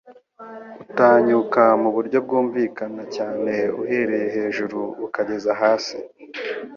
utanyuka mu buryo bwumvikana cyane uhereye hejuru ukageza hasi